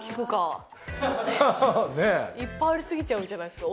いっぱいあり過ぎちゃうんじゃないっすか？